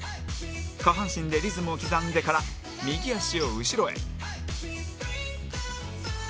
下半身でリズムを刻んでから右足を後ろへ